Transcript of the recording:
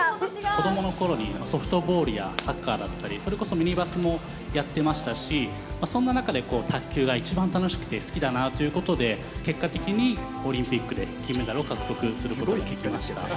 子どものころに、ソフトボールやサッカーだったり、それこそミニバスもやってましたし、そんな中で、卓球が一番楽しくて好きだなということで、結果的にオリンピックで金メダルを獲得することができました。